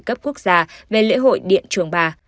cấp quốc gia về lễ hội điện trường ba